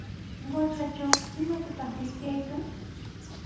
Qutratraw, ¿imatataq rikarqan?